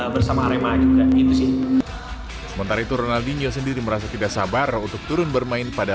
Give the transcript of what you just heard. bersama arema juga itu sih sementara itu ronaldinho sendiri merasa tidak sabar untuk turun bermain pada